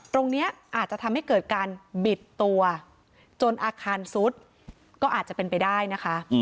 ตรงนี้อาจจะทำให้เกิดการบิดตัวจนอาคารซุดก็อาจจะเป็นไปได้นะคะ